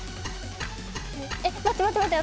待って待って待って。